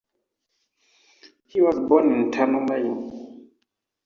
He was born in Turner, Maine.